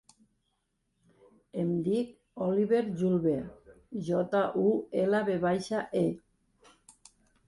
Em dic Oliver Julve: jota, u, ela, ve baixa, e.